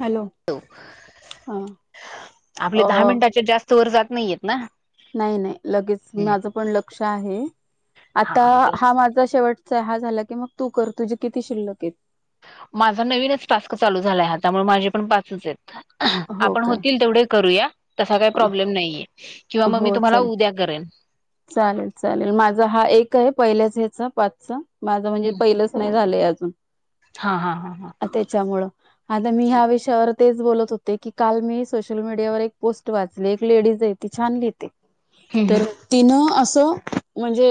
Hello ह अ चोर जात नाहीयेत ना नाही, नाही लगेच हम्म. माझ पण ल कक्षा आहे हा आता हा तेच. माझा शेवट हा झाला की मग तू कर तुझी किती शिल्लकेत माझा नवीनच टास्क चालू झालाय ह त्यामुळे माझे पण पाचच आहेत हो आपण काय होतील तेवढे करूया तसा काही अ, प्रॉब्लेम नाहीये किंवा मग मी हो तुम्हाला चल उद्या करेन. चालेल चालेल माझा हा एक आहे पहिल्याच ह्याचा पाचचा माझं म्हणजे पहिलंच नाही झालंय हा हा हा हा [unintelligible] त्याच्यामुळं आता मी ह्या विषयावर तेच बोलत होते की काल मी सोशल मीडियावर एक पोस्ट वाचली एक लेडीज आहे ती छानली हम्म तर हम्म न असं म्हणजे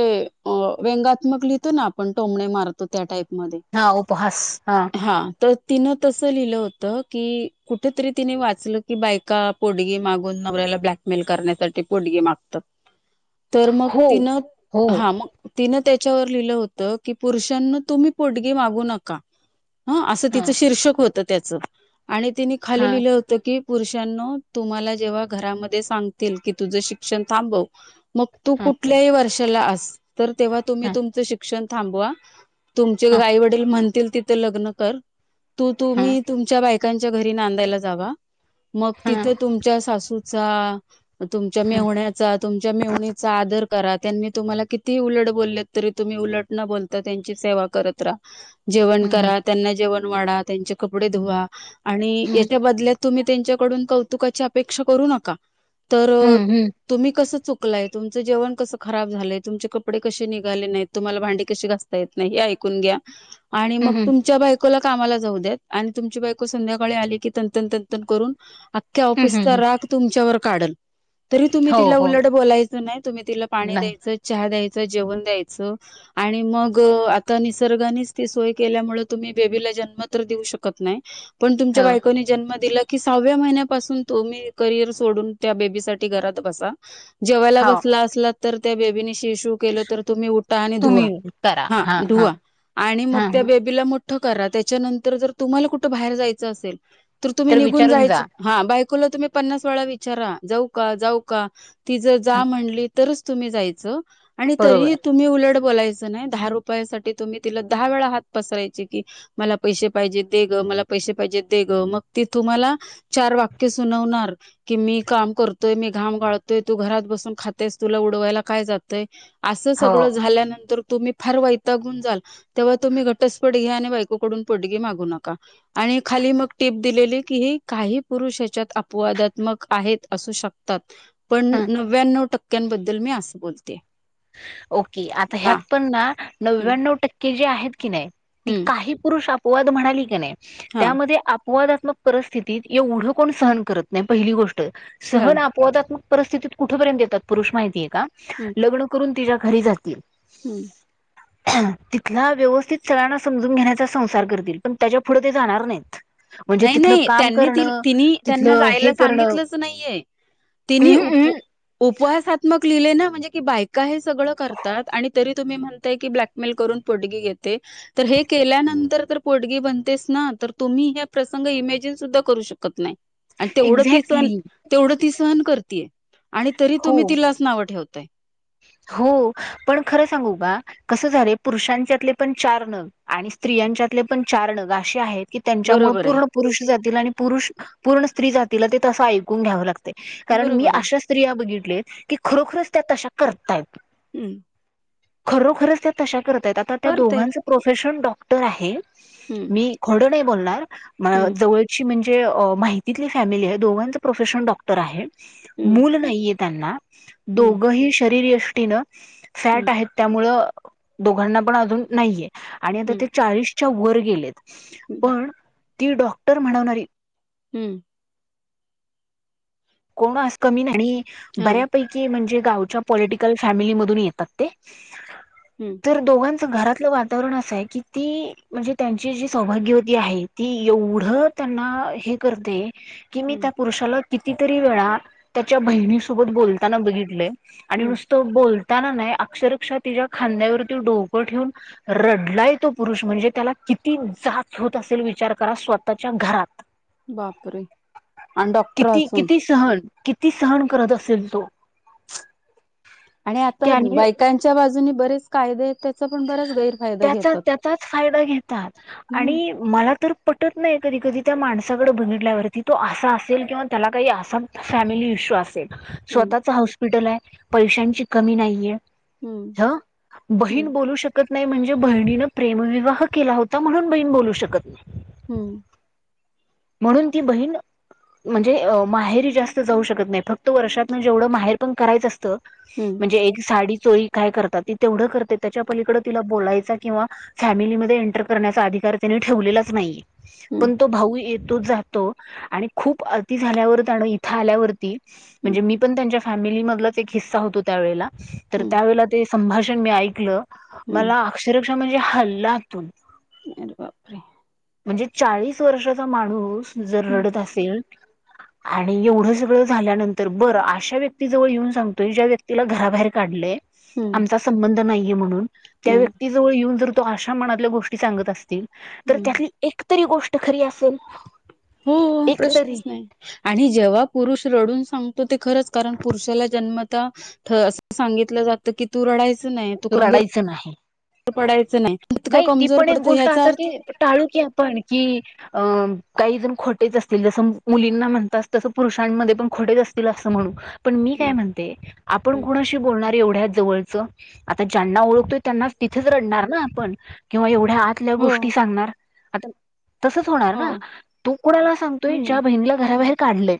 व्यंगात्मक लिहितो ना आपण टोमणे मारतो त्या टाईप मध्ये हा, उपहास हा. हां, तर तिनं तसं लिहिलं होत की कुठेतरी तिने वाचल की बायका पोडगी मागून नवऱ्याला ब्लॅकमेल करण्यासाठी पोडगी मागतात तर मग हो तिन हो हा मग तिन त्या त्याच्या व लिहिलं होत की पुरुषांना तुम्ही पोडगी मागू नका ह असं हा तिचं शीर्षक होत, त्याचं आणि तिने हा खाली लिहिलं होतं की. पुरुषांनो तुम्हाला जेव्हा घरामध्ये सांगतील की तुझं शिक्षण थांबव. मग तू हा कुठल्याही वर्ष चला अस. तर तेव्हा तुम्ही हा तुमचं शिक्षण. थांबवा. तुमचे हा आई वडील म्हणतील तिथं लग्न कर.. तू हा तुम्ही तुमच्या बायक च्या घरी नांदायला जावा मग हा तिथ तुमच्या सासू चा ग तुमच्या मेव्हण्याचा तुमच्या मेहूनी चा आदर करा त्यांनी तुम्हाला किती उलट बोलले तरी तुम्ही उलट न बोलता त्यांची सेवा करत राहा. जेवण हम्म हम्म करा त्यांना जेवण वाडा त्यांचे कपडे धुवा आणि हम्म याच्या बदल्यात तुम्ही त्यांच्याकडून कौतुकाची अपेक्षा करू नका. तर हम्म हम्म तुम्ही कसं चुक लयक तुमचं जेवण कसं खराब झालंय तुमचे कपडे कसे निघाले नाहीत तुम्हाला भांडी कशी घासता येत नाही हे ऐकून घ्या.. आणि मग हम्म तुमच्या बायका कामला जाऊ द्या आणि तुमची बायको संध्याकाळी आली की तन तंत करून.. त्या हम्म ऑफिसचा हम्म राग तुमच्यावर काढल. तरी तुम्ही हो तिला हो उलट बोलायच. नाही तुम्ही तिला पाणी नाही द्यायचं चहा द्यायचं. जेवण द्यायच आणि मग आता निसर्गाने ती सोय केल्यामुळे तुम्ही बेबीला जन्म तर देऊ शकत नाही. पण तुमच्या हो बायकोनी जन्म दिला. सहाव्या महिन्यापासून तुम्ही करिअर सोडून त्या बेबीसाठी घरात बसा हो बसला असला तर त्या बेबी नि सु केलं तर तुम्ही उठा आणि धुवा तुम्ही करा हा हा मग हा त्या हा बेबीला कुठ करा त्याच्यानंतर जर तुम्हाला कुठे बाहेर जायचं असेल. तर तुम्ही निघून विचारून जा जायचं हा बाय? बायकोला तुम्ही पन्नास वेळा विचारा जाऊ का जाऊ का ती- हा जा म्हणली तरच तुम्ही जायचं. आणि तरी बरोबर तुम्ही उलट बोलायच नाही दहा रुपयासाठी तुम्ही तिला दहा वेळा हात पसरायची की मला पैसे पाहिजे दे ग मला पैसे पाहिजे दे ग मग ती तुम्हाला चार वाक्य सुनवणार की मी काम करतोय? मी घाम गाळतोय? तु घरात बसून खातेस तुला उडवायला काय जातय? असं हो. सगळं झाल्यानंतर. तुम्ही फार वैतागुण जाल तेव्हा तुम्ही घटस्पोट घ्या आणि बायकोकडून पोटगी मागू नका आणि खाली मग टीप दिलेली कि ही काही पुरुष हच्यात अपवादात्मक आहेत असू शकतात. पण हं नव्यानव टक्क्यांबद्दल मी असं बोलते ओके आता हा ह्यात पण ना हम्म नव्यानव टक्के जे आहेत. की नाही ती काही पुरुष आप- होआ तर म्हणाली का नाही. हा त्यामध्ये आप- संवादातमक परिस्थितीत येवढं कोण सहन करत नाही पहिली गोष्ट- ह सह ना आपवादात्मक. परिस्थितीत कुठपर्यंत येतात पुरुष माहितीे हाय. का लग्न तिच्या घरी जाती हम्म तिथला व्यवस्थित संगळ्याना समजून घेण्याचा संसार करतील पण त्याच्या पुुढं ते जाणार नाहीत. म्हणजे नाही- तिथलं नाही काम त्यांनी करणं तिला त्यांना तिथलं हे जायला करणं सांगितलंच नाहीये तिनी अहं अहं उपवासात्मक लिहिल य ना. म्हणे बायका हे सगळ करतात आणि तरी तुम्ही म्हणता की ब्लकमेल करून पोडगी घेतात तर हे केल्यानंतर पोडगी बनते ना तुम्ही? प्रसंग इमेजिन सुद्धा करू शकत नाही? आणि तेवढं ती सहन एक्झॅक्टली तेवढं ती सहन करतीय. आणि तरी तुम्ही हो तिलाच नावं ठेवत. ते हो पण खरं सांगू का कस झाल य पुरुषांच्यातले पण चार नग आणि स्त्रियांच्यातले पण चार नग असे आहेत. की त्यांच्यामुळ बरोबर पूर्ण आहे पुरुष जातील आणि पुरुष पूर्ण- स्त्री जातील ते तंस ऐकून घ्यावं लागतंय. कारण मी बरोबर आहे अशा स्त्रिया बघितलोय की खरोखरच त्या तशा. करताय. हम्म खरोखरचं त्या तशा त आहेत आता त्या करतायत दोघांचं प्रोफेशन डॉ क्टर आहे. हम्म मी खोड नाही बोलणार. हम्म जवळची म्हंजे जे माहितीतली फॅमिली आहे दोघांच प्रोफेशनल डॉक्टर आहे. हम्म मूल नाहीये त्यांना. हम्म दोघही शरीरयष्टीनं फॅट आहेत त्यामुळं दोघांना पण अजून नाहीये. आणि आता हम्म ते चाळीस च्या वर गेलेत. हम्म पण ती डॉक्टर म्हणवणारी हम्म कोण आज कमी नाही. हा बऱ्यापैकी म्हणजे गावच्या पॉलिटिकल फॅमिली मधून येतात ते. हम्म तर दोघांना च घरातलं वातावरण असं आहे की ती म्हणजे त्यांची जी सौभाग्यवती आहे ती एवढं त्यांना हे करते कि मी त्या पुरुषाला कितीतरी वेळा त्याच्या बहिणीसोबत बोलताना बघितलय आणि हम्म नुसतं बोल ताना नाही अक्षरशः तिच्या खांद्यावरती डोकं ठेऊून रडलाय तो पुरुष म्हणजे त्याला किती जाच होत असेल विचार करा स्वतःच्या घरात. बापरे आणि डॉक्टर किती असू किती सहन किती सहन करत असेल तो. आणि आता त्याने बायकांच्या बाजू ने बरेच कायदेत. त्याचा, त्याचाच फायदा घेतात हम्म आणि मला तर पटत नाही कधी कधी त्या माणसाकडें बघितल्यावरती तो असा असेल किंवा त्याला काही असा फॅमिली इशू असेल हम्म स्वतःच हॉस्पिटल आहे. पैशांची कमी नाहीये हम्म हा बहीण हम्म बोलू शक नाही म्हणजे बहिणीन प्रेमविवाह केला होता, म्हणून बहीण बोलू शकत नाही. हम्म म्हणून ती बहीण म्हणजे माहेरी जास्त जाऊ शकत नाही फक्त वर्षातन जेवढं माहेर पण करायचं असतं हम्म म्हणजे एक साडी चोरी काय करतात ती तेवढं करते त्याच्या पलीकड तिला बोलायचा किंवा फॅमिलीमध्ये एंटर करण्याचा अधिकार त्यानी ठेवलेलाच नाहीये. हम्म हम्म पण तो भाऊ ये तो जातो आणि खूप अती झाल्यावर त्यानं इथं आल्यावरती हम्म म्हणजे मी पण त्यांच्या फॅमिली मधलाच एक हिस्सा होतो त्यावेळेला तर हम्म त्यावेेळेला ते संभाषण मी ऐकलं हम्म मला अक्षर म्हणजे हलं आतून अरे बापरे! म्हणजे चाळीस वर्षाचा माणूस जर हम्म रडत असेल आणि एवढं सगळं झाल्यानंतर बरं अशा व्यक्तीजवळ येऊन सांगतोय ज्या व्यक्तीला घराबाहेर काढलंय हम्म आमचा संबंध नाही य म्हणून त्या हम्म व्यक्तीजवळ येऊन जर तो अशा मनातल्या गोष्टी सांगत असतील तर हम्म त्यातली एक तरी गोष्ट खरी असेल- ह [unintelligible] हो प्रश्नच नाही, आणि जेव्हा पुरुष रडून सांग ते खरंच कारण पुरुषाला जन्मता अस सांगितलं जात की तू रडाय रडायचं नाही, पडायचं इतकं नाही ती कमजोर पण एक पडतं गोष्ट ह्याचा आता अर्थ ती टाळू की आपण कि अं काही जण खोटेच असतील जसं मुलींना म्हणतात तसं पुरुषांमध्ये पण खोटेच असतील असं म्हणू पण मी काय हम्म, म्हणते आपण हम्म, कोणाशी बोलणार एवढ्या? जवळच आता ज्यांना ओळखतोय त्यांना तिथेच रडणार ना आपण किंवा एवढ आतल्या हो गोष्टी सांगणार. आता तसच होणार हो ना तू कुणाला सांगतोय हम्म ज्या बहिणीला घराबाहेर काढलय?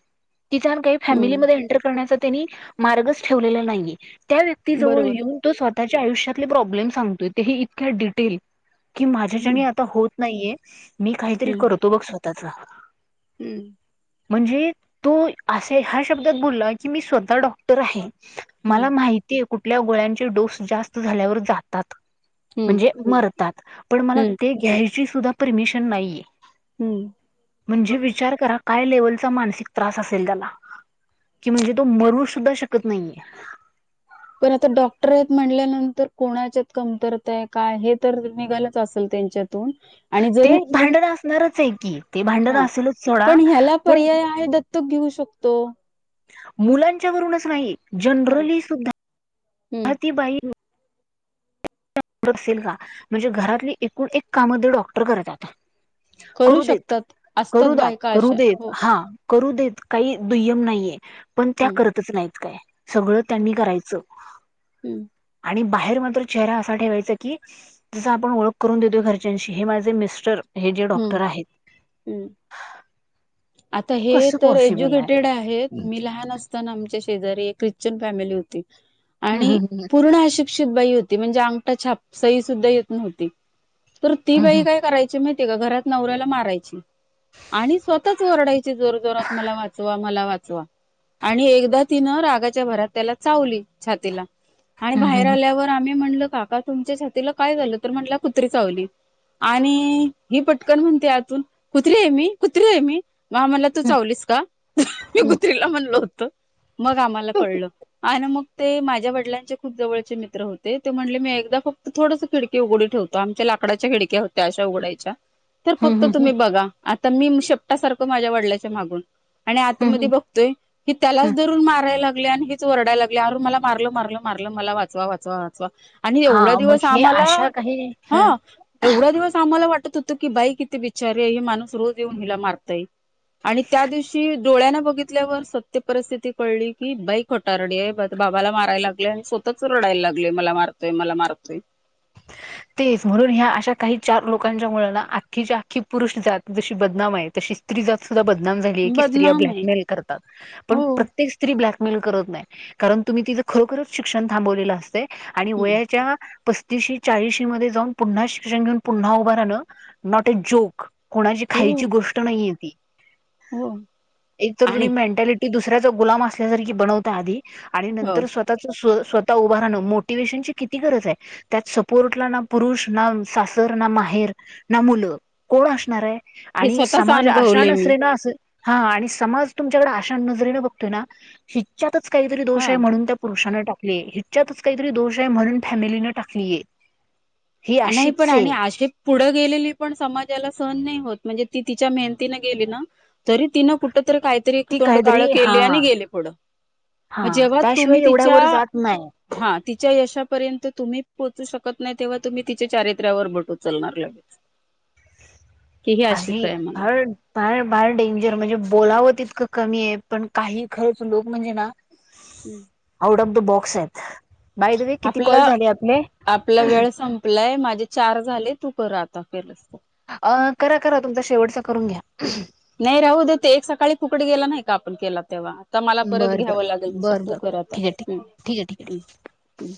तिच्या न काही हम्म फॅमिलीमध्ये एंटर करण्याचा त्यांनी मार्गच ठेवलेला नाही त्या व्यक्ती जवळ बरोबर येऊन स्वतःच्या आयुष्यात ले प्रोब्लेम सांगतोय ते ही इतक्या डिटेल. की माझ्या च्या हम्म नी आता होत नाहीये. मी काहीतरी हम्म करतो बघ स्वतःचा. हम्म. म्हणजे तू असे ह्या शब्दात बोलला की मी स्वतः डॉ डॉक्टर आहे हम्म मला माहिती कुठल्या गोळ्यां घेतल्यावर डोस जास्त झाल्यावर जातात. हम्म म्हणजे मरतात पण मला हम्म ते घ्यायच. ची सुधा परमिशन नाहीय. हम्म म्हणजे विचार करा- काय लेवलचा मानसिक त्रास असेल त्याला की म्हणजे तो मरू सुद्धा शकत नाहीे. पण आता डॉक्टर आहेत म्हटल्यानंतर कोणाच्यात कमतरता आहे काय हे तर निघालच असेल त्यांच्यात. ते भांडण असणारच आहे की ते भांडण हा असेलच थोडा पण त घेऊ शकतो. मुलांच्या वरूनच नाही. ह जनरली हम्म सुद्धा ती बाई असेल का म्हणजे घरातली एकूण एक काममध्ये डॉक्टर करततात. करू देत शकतात असतात करू दात बायका करू अशा देत हो हा. करू देत काही दुय्यम नाहीये पण त्या हम्म करतच नाहीत काय? सगळं त्यांनी करायचं हम्म आणि बाहेर मात्र चेहरा अस ठेवायच की जस आपण ओळख करून देतो घरच्यांशी हे माझे मिस्टर. हे जे डॉक्टर आहेत. हम्म आता हे कसं तर पॉसिबल आहे एज्युकेटेड आहेत मी लहान असताना आमच्या शेजारी एक ख्रिश्चन फॅमिली होती. आणि पूर्ण अशिक्षित बाई होती. म्हणजे अंगठ छाप सई सुद्धा येत नव्हती. तर ती बाई काय करायची माहि ते का घरात नवऱ्याला मारायची आणि स्व याच ओरडायची जोर जोरात मला वाचवा मला वा चवा. आणि एकदा तिनं रागाच्या भरात त्याला चावली छातीला आणि बाहेर आल्यावर आम्ही म्हटल काका तुमच्या छातीला काय झालं तर म्हटलं कुत्री चावली, आणि ही पटकन म्हणते आतून कुत्री आहे मी, कुत्री आहे मी मग आम्हाला तू चावलीस का? मी कुत्रीला म्हणलो होतं मग आम्हाला कळल आणि मग ते माझ्या वडिलांचे खूप जवळचे मित्र होते ते म्हणले मी एकदा फक्त थोडस खिडकी उघडी ठेवतो आमच्या लाकडाच्या खिडक्या होत्या अशा उघडायच्या तर फक्त तुम्ही बघा तर मी शेप का सारखं माझ्या वडल्याच्या मागून आणि आता मध्ये बघतोय की त्यालाच धरून माराय लाग ल्या आणि हीच ओरडाय लागल्या अर मला मारल मारल मारलं मला वाचवा वाचवा आणि एवढा हा मग दिवस हे आम्हाला अशा काही ह हा तेवढा दिवस आम्हाला वाट त होतो की बाई किती बीचारी आहे ही माणूस रोज येऊन हिला मार तय. आणि त्या दिवशी डोळ्यान बघितल्यावर सत्य परिस्थिती कळली की बाई खटारडी आहे बाबाला माराला लागले आणि स्वतःच रडायला लागले मला मारतोय मला मारतोय तेच म्हणून ह्या अशा काही चार लोकांच्या मुळंना आख्खी च्या आख्खी पुरुष जात जशी बदनाम आहे तशी स्त्री जात सुद्धा बदनाम झाले की स्त्रीया बदनाम आहे ब्लॅकमेल करतात पण हो प्रत्येक स्त्री ब्लॅक मेल करत नाही. कारण तुम्ही तिथं खरोखरच शिक्षण थांबवलेलं असते आणि वयाच्या पस् तीशी चाळीशी मध्ये जाऊन पुन्हा शिक्षण घेऊन पुन्हा उभं राहणं नॉट अ जोक. कोणाची हो खायची गोष्ट नाही ये ती हो एक तर आणि तुम्ही मेंट्याली टि की दुसऱ्याचा गुलाम असल्यासारखी बनवता आधी आणि हो नंतर स्वतःच स्व स्वतः उभा राहण मोटिवेशन ची किती गरज आहे. त्यात सपोर्टला ना पुरुष, ना सासर, ना माहेर, ना मुलं, कोण असणार आहे? हे आणि स्वतःच समाज अशा अनुभवले मी नसरेना अस हां आणि समाज तुमच्याकडे अशा नजरेनं बघतोय ना, हिच्यत इथच काहीतरी हा दोष आहे, म्हणून त्या पुरुषांना आपले, हिच्यातच काहीतरी दोष आहे, म्हणून फॅमिलीन टाक ते नाही पण आणि अशी पुढं गेलेली पण, समाजाला सहन नाही होत, म्हणजे ती तिच्या मेहनतीनं गेली ना? तरी तिनं कुठं तरी काहीतरी एक ती तोंड काळ काहीतरी हा केली आणि गेली पुढं, हा मग जेव्हा तुम्ही त्याशिवाय तिच्या, एवढ्यावर जात नाही हां तिच्या यशापर्यंत तुम्ही पोचू शकत नाही तेव्हा तुम्ही तिच्या चारित्र्यावर बोट उचलणार लगेच कि ही अशीच आहे, म्हणून फार-फार-फार डेंजर म्हणजे बोलावं ति त कमी आहे, पण काही खरंच लोक म्हणजे ना आऊट ऑफ द बॉक् [unintelligible] आपलं, आपला वेळ संपलाय माझे चार झाले, तू कर आता [unintelligible] अं करा, करा, तुमचा शेवटचा करून घ्या. नाही राहू देत. एक सकाळी फुकट गेला नाही का, आपण केला तेव्हा? आता मला परत बरं घ्यावं लागेल बरं तसं, बरं तू बरं कर आता, ठीक आहे ठीक हं ठीक आहे ठीक आहे हं हं